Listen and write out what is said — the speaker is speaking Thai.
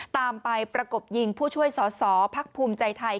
ตามไปประกบยิงผู้ช่วยสอสอพักภูมิใจไทย